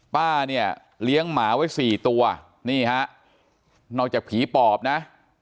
ป้าเนี่ยเลี้ยงหมาไว้สี่ตัวนี่ฮะนอกจากผีปอบนะ